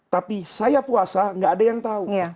tapi saya puasa gak ada yang tahu